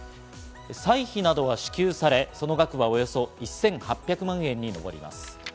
歳費などは支給され、その額はおよそ１８００万円に上ります。